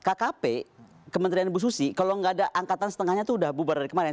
kkp kementerian ibu susi kalau nggak ada angkatan setengahnya itu udah bubar dari kemarin